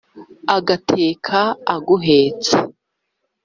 Agateka aguhetse